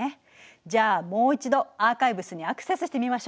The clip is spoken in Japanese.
じゃあもう一度アーカイブスにアクセスしてみましょう。